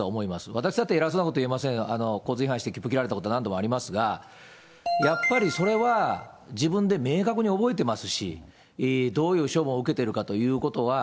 私だって偉そうなこと言えませんが、交通違反して切符切られたこと何度もありますが、やっぱりそれは、自分で明確に覚えてますし、どういう処分を受けているかということは。